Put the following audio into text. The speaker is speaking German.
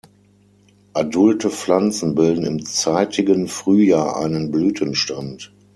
Adulte Pflanzen bilden im zeitigen Frühjahr einen Blütenstand.